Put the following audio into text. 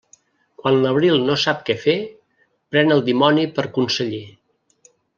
Quan l'abril no sap què fer, pren el dimoni per conseller.